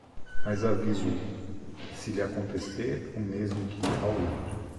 Mas aviso-o: se lhe acontecer o mesmo que ao outro